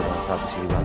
dengan prabu siliwati